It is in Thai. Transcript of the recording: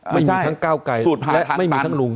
ไม่มีทั้งก้าวไกลและไม่มีทั้งลุง